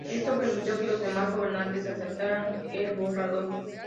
Esto permitió que los demás gobernantes aceptaran el borrador.